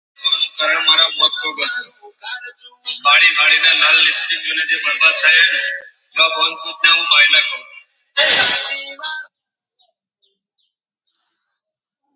Lady Mallalieu comes from a distinguished political family.